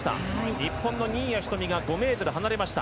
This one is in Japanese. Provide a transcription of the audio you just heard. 日本の新谷仁美が５ｍ離れました。